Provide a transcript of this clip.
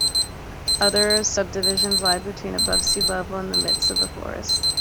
Other subdivisions lie between above sea level in the midst of the forests.